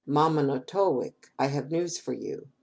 Ma ma no to wic, I have news for you.